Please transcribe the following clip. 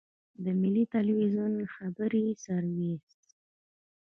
د ملي ټلویزیون خبري سرویس.